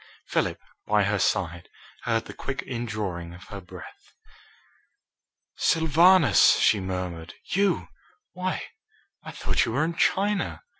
Philip, by her side, heard the quick indrawing of her breath. "Sylvanus!" she murmured. "You! Why, I thought you were in China."